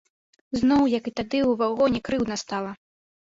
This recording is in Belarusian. Зноў, як і тады, у вагоне, крыўдна стала.